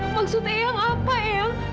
maksud ayah apa ayah